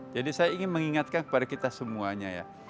jadi saya ingin mengingatkan kepada kita semuanya ya